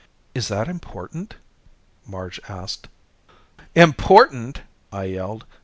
"Is that important?" Marge asked. "Important?" I yelled.